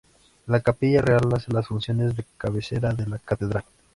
La Capilla Real hace las funciones de cabecera de la catedral.